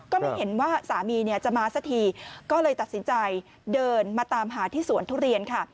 ก็ไม่เห็นว่าสามีเนี่ยจะมาสักทีก็เลยตัดสินใจเดินมาตามหาที่สวนทุเรียนค่ะ